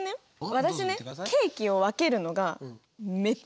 私ねケーキを分けるのがめっちゃ得意なの。